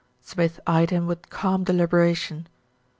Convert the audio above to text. Smith eyed him with calm deliberation.